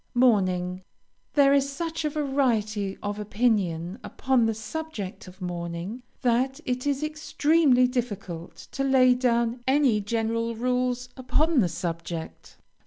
MOURNING There is such a variety of opinion upon the subject of mourning, that it is extremely difficult to lay down any general rules upon the subject.